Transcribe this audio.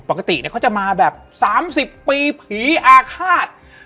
ปกติเขาจะมาแบบ๓๐ปีผีอาฆาต